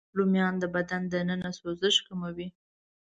رومیان د بدن دننه سوزش کموي